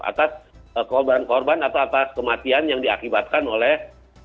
atas korban korban atau atas kematian yang diakibatkan oleh